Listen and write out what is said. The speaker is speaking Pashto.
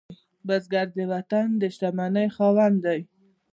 بزګر د وطن د شتمنۍ خاوند دی